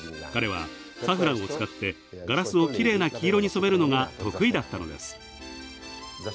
彼はサフランを使ってガラスをきれいな黄色に染めるのが得意だったのです。